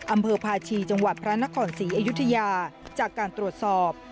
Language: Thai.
อำเภอภาชีจังหวัดพระนครศรีอยุธยาจากการตรวจสอบ